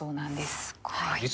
すごい。